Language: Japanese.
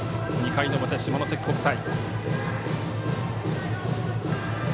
２回の表、下関国際。